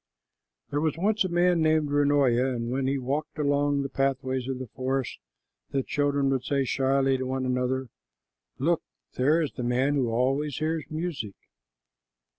There was once a man named Runoia, and when he walked along the pathways of the forest, the children would say shyly to one another, "Look, there is the man who always hears music."